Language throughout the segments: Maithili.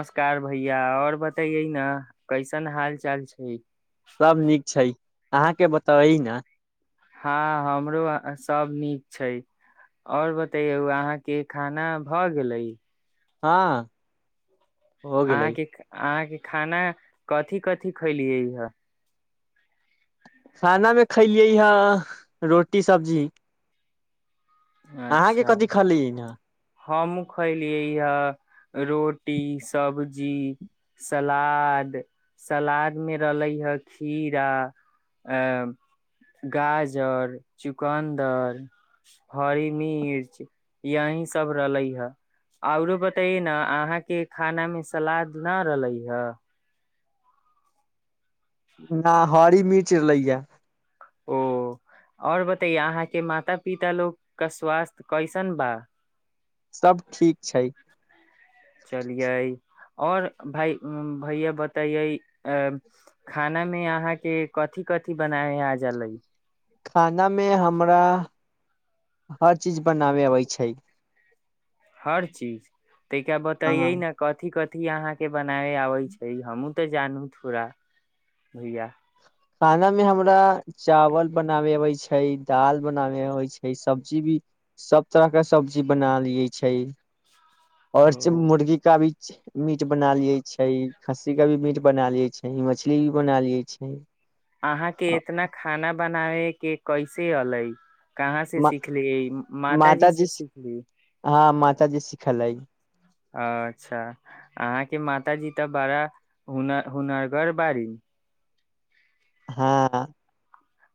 नमस्कार भैया आओर बता य न कैसन हाल चाल छै सभ नीक छै अहाँके बताबई ने हँ हमरो सभ नीक छै आओर बतैयौ अहाँके खाना भऽ गेलै हँ हो गेलै अहाँ के अहाँ के खाना कथि कथि खैलियै हे खाना मे खैलियै हा रोटी सब्जी अहाँके कथी खली ने हमहु खलिय ये रोटी सब्जी सलाद सलाद मे रहले हे खीरा गाजर चुकन्दर हरी मिर्च यही सब रहले ह औरो बताये न अहाँ के खाना मे सलाद न रहले हे न हरी मिर्च लैय ओ आओर बताैया अहाँके माता पिता लोकोग क स्वास्थ्य कैसन बा सभ ठीक छै चलियै ओर भई भैया बतैये अ खाना मे अहाँ के कथि कथि बनाय आ जलै खाना मे हमरा हर चीज बनाबे अबै छै हर चीज तैका बतैयै हँ ने कथि कथि अथी अहाँ के बनाय आबै छै हमहूँ तऽ जानू थोड़ा भैया खाना मे हमरा चावल बनाबे अबै छै दाल बनाबे अबै छै सब्जी भी सभ तरह के सब्जी बना लियै छै और च ओ मुर्गी का भी मीट बना लिये छै खस्सी के भी मीट बना लिये छै मछली भी बना लिये छै अहाँके अ, इतना खाना बनाव के कैसे अलै कहाँ से म सिखलियै से माताजी सिखली हँ माताजी सिखलै अच्छा अहाँके माता जी तऽ बड़ा हुनर हुनरगर बाड़ी हँ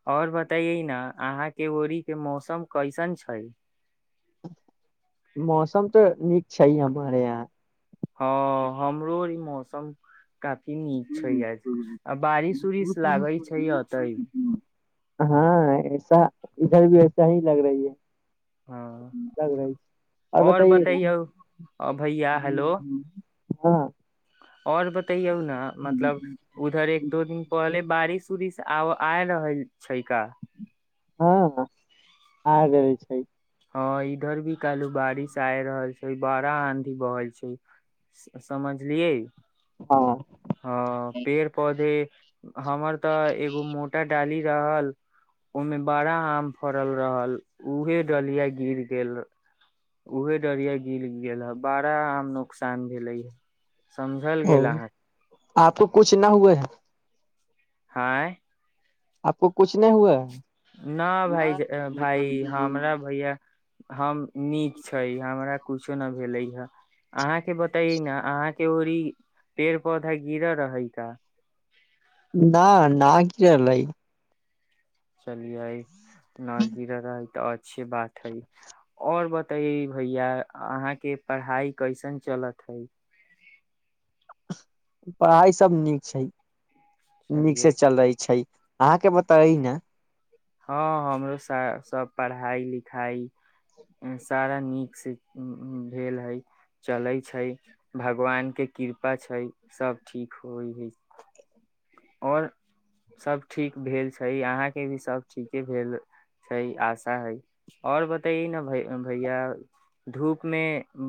आओर बतैे ने अहाँके ओड़ीक के मौसम कैसन छै मौसम तऽ नीक छै हमरे यहाँ हँ हमरो ई मौसम काफी नीक छै य आ बारिश उरिश लागै छै एते हँ ऐसा इधर भी वऐसा ही लग रही है हँ लग रहै छै आओर और बताइये न बतैयौ अ भैया हेलो हूं और ब ताईयौ न मतलब उधरे एक दो दिन पहले बारिश उरिश आब आई रहल छै का हँ ह आईगेल छै ह ई गरमी चलू बारिश आए रहल छै बारा आँधी बोहे छै से समझलिही हँ हँ पेड़ पौधे हमर तऽ एगो मोटा डाली रहल ओमे बड़ा आम फड़ल रहल उहे डरिया गिर गेल ऊहे डरिया गिर गेल है बाड़ह आम नोककसान भेलै य समझल ओ गेला आहा आपको कुछ न हुए हैं हैंय आपको कुछ नहि हुए हैं ना भाई जे ए भाइ हमरा भैया हम नीक छै हमरा कुछो न भेलै ह अहाँके बतैय न अहाँ के औरी पेड़ पौधा गिरर रहै का [unintelligible] चलि आइ न गिर रहै तऽ आ अच्छी बात हइ और ब हे भैया आहाँ के पढ़ाई कैसन चलत हइ पढ़ाइ सब नीक छै नीक चलियै से चल रही छै अहाँके बताई न हँ हमरो सभ पढ़ाई लिखाई सारा नीकसँ भेल हइ चलै छै भगवान के कृपा छै सभ ठीक होइ हइ आओर सभ ठीक भेल छै अहाँके भी सभ ठीके भेल छै आशा हइ आओर बतैै ने भ भैया धूपमे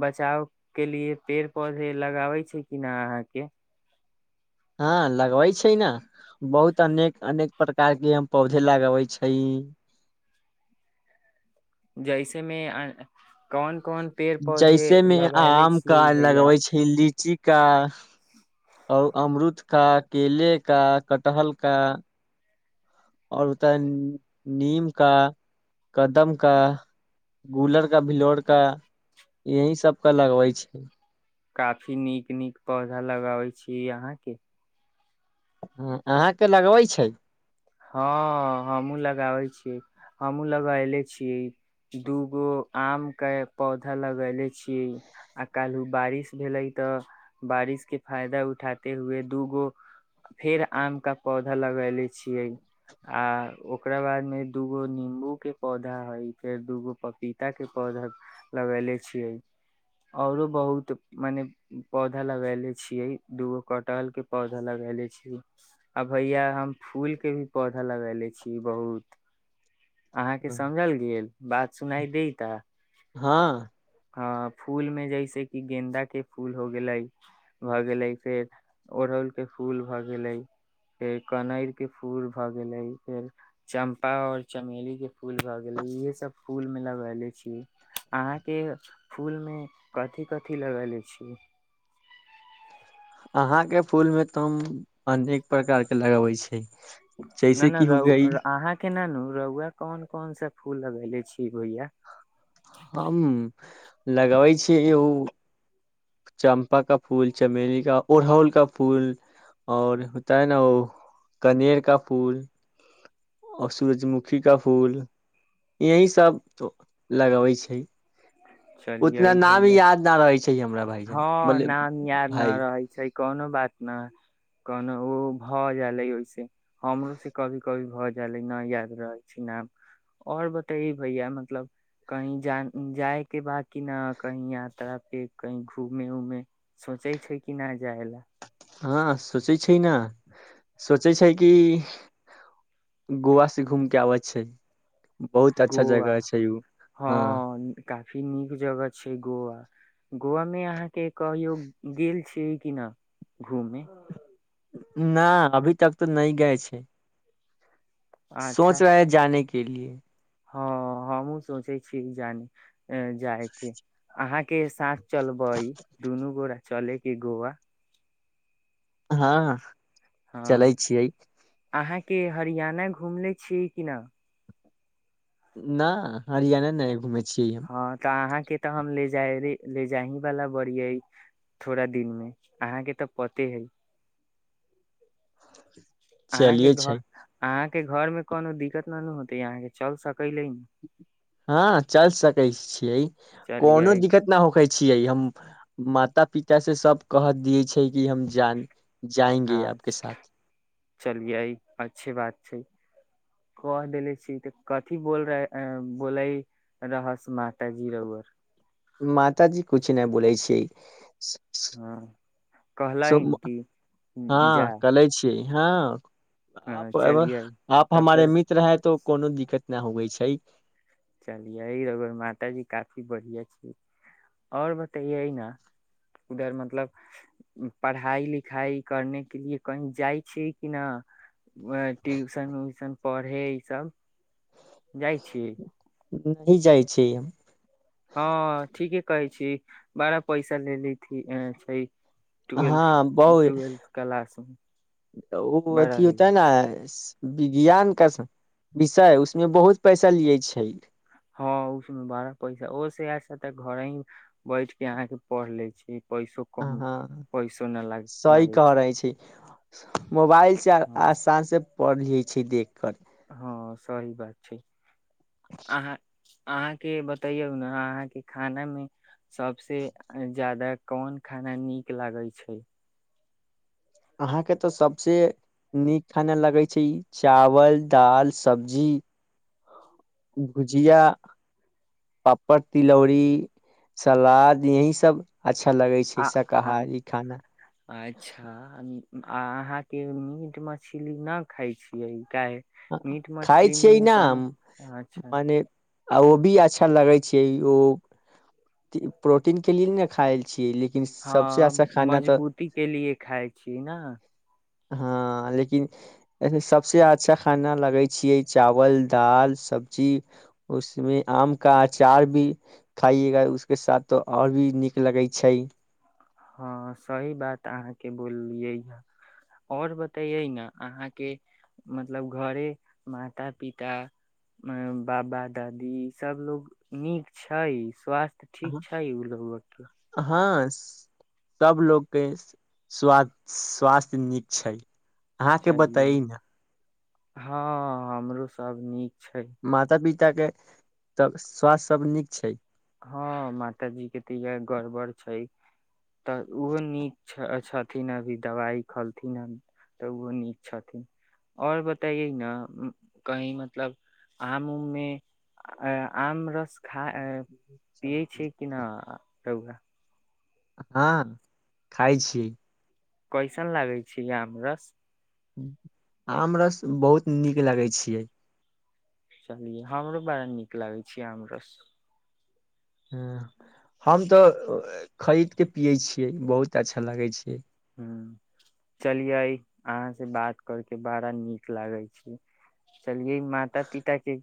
बचावके लिए पेड़ पौधे लगाबै छै कि नहि अहाँके हँ लगबै छै न बहुत अनेक अनेक प्रकार के हम पौधे लगबै छै जैसेमे कोन कोन पेड़ पौधे जैसे मे लगैले आम क छियै भैया लगबै छै लीची का और अमरुद का केेले का कटहल का आओर ओतय नीम का कदम का गुलर का भिलोर का यही सभके लगबै छै काफी नीक नीक पौधा लगाबै छीिय अहाँके ह अहाँके लगबैत छै हँ हमहुँ लगाबै छियै हमहूँ लगैले छीियै दूगो आम के पौधा लगैले छीियै आ काल् बारिश भेलै तऽ बारिश के फायदा उठाते हुए दूगो फेर आम केा पौधा लगैले छियै आ ओकरा बाद मे दूगो नं्बू के पौधा हइ फेर दूगो पपीता के पौधा लगले छियै औरो बहुत मने पौधा लगले छियै दूगो कटहल के पौधा लगले छीिय आ भैया हम फूल के भी पौधा लग ले छी बहुत अहाँके समझल गेल बात सुनाइ द ता हँ हँ फूलमे जैसे कि गेन्दाके फूल हो गेलै भऽ गेलै फेर ओड़हुलके फूल भऽ गेलै फेर कनरके फूल भऽ गेलै फेर चम्पा आओर चमेलीके फूल भऽ गेलै इएहे सभ फूलमे लगैले छी अहाँके फूलमे कथी कथी लगैले छी अहाँके फूल मे तऽ हम अनेक प्रकार के लगबै छी नाना रहाँके नानू रौआ कोन कोन सा फूल लगेले छीय भैया हम लगबै छी [unintelligible] चम्पा का फूल चमेली का उरहल का फूल आओर होताै न ओ कनेर का फूल आर सूरजमुखी का फूल यही सभ लगबै छै चलिये उतना नामी भैया याद न रहै छै हमरा भाईजान हँ बोले नाम यार न भाय रहै छै कोनो बात न कोनो ओ भऽ जाले ओहिस हमरो से कभी कभी भऽ जाले न याद रहै छै नाम आओर बते भैया मतलब कही जा जाय के बा किी न कही यात्रा पे कहीं घूमे उमे सोचै छै कि नहि जाय लए हँ सोचै छै ने सोचै छै कि गोवा से घूम के आबै छै बहुत अच्छा गोव जगह छै उ हँ काफी नीक जगह छै गोवा गोवामे अहाँके कहियौ गेल छियै कि न घूमे न अभी तक तऽ नहि गए छै अच्छा सोच रहे है जाानके के लिए हँ हँ हम सोचै छी जानी जाय के अहा के साथ चलबै दुनू गो र चल कि गोवा हँ चलै छियै के हरियााना घुमले छियै क न न हरियाणा नहि घुमे छै हँ तऽ अहाँ के तऽ हम ले जा ले जा हीं वाला बड़ थोड़ा दिन मे अहाँ के तऽ पते है आ चलिये घ छै आ के घर मे कोनो दिक्कत न होे यहा के चल सक हँ चल सकै छियै कोनो चलियै दिक्कत नहि होकै छियै हम माता पिता से सब कह दियै छै कि हम जान अ जाएंगे आपके साथ चलि आइ अच्छी बात छै क देले छी तऽ कथी बोल बोलै रहस माताजी रर माताजी किछु नहि बै छिय हँ सु कहलनि कि जा हँ के छी [unintelligible] हँ आप अ आप तब हमारे तर मित्र हैं तो कोनो दिक्कत इना होइ छै चलियै माताजी काफी बढ़िआ छै आओर बतैै ने उधर मतलब पढ़ाई लिखाइ करने के लिए कही जाइ छियै कि न अ ट्यूशन उ्यशन पढ़े ई सब जाइ छीय नहि जाइ छी हम हँ ठीके कहै छी बारह पैसा लेी छै ट्वेल्थ हँ बहु ट्वेल्थ क्लास मे ओ अथ बड़ा हो ह त ने विज्ञान क विषय उसमे बहुत पैसा लियए छै हँ उस बारा पैसा ओसछा तऽ घरे ही बैठ के अहाँ के पढ़ ले छी पैसो कम हँ पैसो न लाग सही लागै कह छै रहले छी मोबाइलसँ आसान से पढ़ लिये छै देख कर हँ सही बात छै आह अहाँके बतैयौ ने अहाँके खाना मे सबसँ ज्याददा कोन खाना नीक लागै छै अहाँके तऽ सभसँ नीक खाना लगै छै ई चावल दाल सब्जी भुजिया पापड़ तिलौरीी सलाद यही सब अच्छा लगै छै आ आ शाकाहारी खाना आ अहाँके मीट मछली नहि खाइ छियै काहे मीट खाइ मछली छिय मे न कोनो अच्छा मने आ ओभी आ अच्छा लगे छै ओ प्रोटीन के लि ने खाय छी लेकिन सबसे हँ अच्छा खाना तऽ मजबूती के लिए खाइ छी ने हँ लेकिन सबसे आ च खाना लगै छियै चावल दाल सब्जी उसमे आम का अचार भी खाइएा उसके साथ तो आओर भी नीक लगे छै हँ सही बात अहाँ के बोललियै हा और बतैये ने अहाँ के मतलब घरे माता पिता बाबा दादी सब लोग नीक छै स्वास्थ तऽ ठीक छै ओ लगबग के सभ लोग के स स्वास्थ्य नीक छै अहाँके चलियै बताइ न हँ हमरो सब नीक छै माता पी के तब स्वास्थ सब नीक छै हँ मातााजी के तऽ इएह गड़बड़ छै तऽ ओहो नीच अच्छा खेलकिन अभी दवाई खलखिन हन त उहो नीक छथिन आओर बताई ना कहीं मतलब आम उम मे आम रस खा अ पए छी कि न रउआ हँ खाय छी कैसन लागै छै आमरस आम रस बहुत नीक लगै छियै चलियै हमरो बड़ा नीक लागै छै हमरो ह हम तऽ खरीद के पियै छियै बहुत अच्छा लागै छै ह चलियै अहाँ से बात करके बड़ा नीक लागै छै चलिये माता पिता के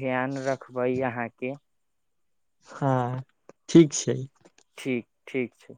ध्यान रखबै अहाँके हँ ठीक छै ठीक ठीक छै